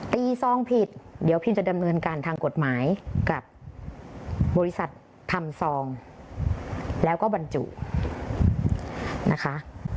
ซองผิดเดี๋ยวพิมจะดำเนินการทางกฎหมายกับบริษัททำซองแล้วก็บรรจุนะคะ